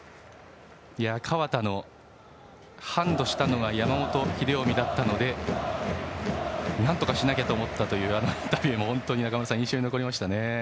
河田のハンドしたのは山本英臣だったのでなんとかしなきゃと思ったというインタビューも中村さん、印象に残りましたね。